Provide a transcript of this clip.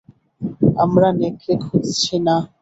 আমরা নেকড়ে খুঁজছি না।